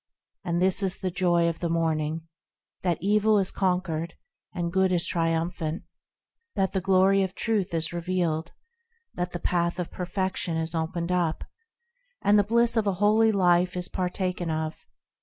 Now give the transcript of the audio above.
And this is the joy of the Morning,– That evil is conquered, and Good is triumphant; That the glory of Truth is revealed; That the Path of Perfection is opened up, And the bliss of a holy life is partaken of.